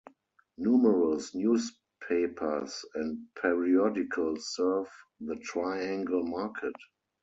Numerous newspapers and periodicals serve the Triangle market.